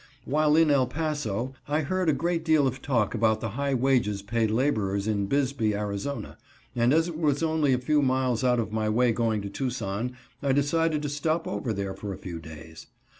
While in El Paso I heard a great deal of talk about the high wages paid laborers in Bisbee, Ariz., and as it was only a few miles out of my way going to Tucson, I decided to stop over there a few days.